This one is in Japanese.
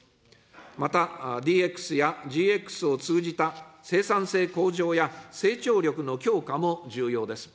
またＤＸやＧＸを通じた生産性向上や成長力の強化も重要です。